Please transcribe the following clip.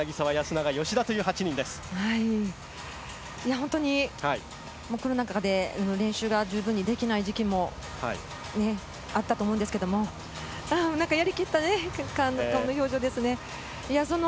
本当にコロナ禍で練習が十分できないときもあったと思うんですけれど、やりきった表情ですね。